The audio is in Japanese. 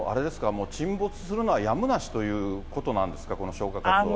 もう沈没するのはやむなしということなんですか、この消火活動は。